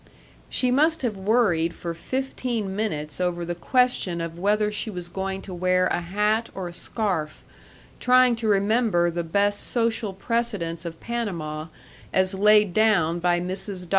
She must have worried for fifteen minutes over the question of whether she was going to wear a hat or a scarf, trying to remember the best social precedents of Panama as laid down by Mrs. Dr.